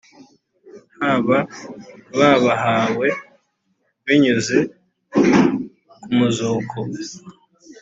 hb babahawe binyuze ku muzuko